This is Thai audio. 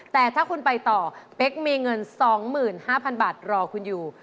แต่ถ้าคุณไปต่อเป๊กมีเงิน๒๕๐๐๐บาทรอคุณอยู่